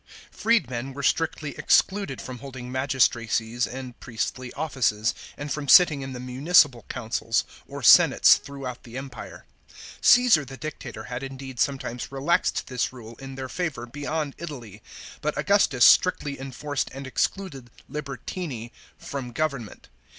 — Freedmen were strictly excluded from holding magistracies and priestly offices, and from sitting in the municipal councils, or senates throughout the Empire. Caesar the Dictator had indeed sometimes relaxed this rule in their favour beyond Italy, but Augustus strictly enforced and excluded libertini from government.